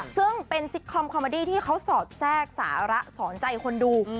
ซึ่งเป็นซิกคอมคอมเมอดี้ที่เขาสอดแทรกสาระสอนใจคนดู